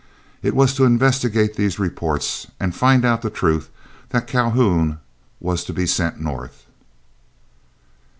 It was to investigate these reports and find out the truth that Calhoun was to be sent North.